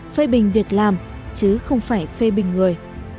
phê bình việc làm chứ không phải phê bình người